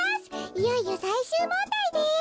いよいよさいしゅうもんだいです。